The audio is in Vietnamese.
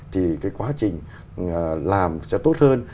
thì cái quá trình làm sẽ tốt hơn